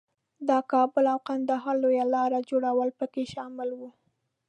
د کابل او کندهار لویې لارې جوړول پکې شامل وو.